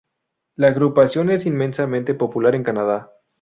La agrupación es inmensamente popular en Canadá.